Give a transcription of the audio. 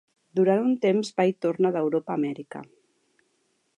Durant un temps va i torna d'Europa a Amèrica.